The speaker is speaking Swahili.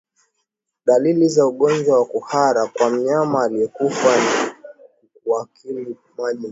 Dalili za ugonjwa wa kuhara kwa mnyama aliyekufa ni kukaukiwa maji mwilini